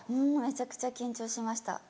めちゃくちゃ緊張しました。